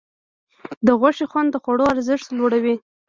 د غوښې خوند د خوړو ارزښت لوړوي.